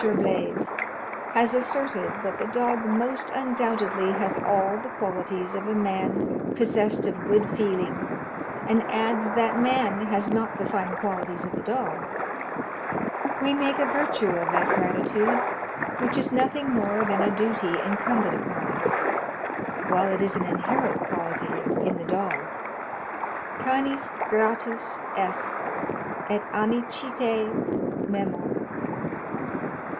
Blaze) has asserted, that the dog most undoubtedly has all the qualities of a man possessed of good feeling, and adds that man has not the fine qualities of the dog. We make a virtue of that gratitude which is nothing more than a duty incumbent upon us, while it is an inherent quality in the dog. "Canis gratus est, et amicitiæ memor."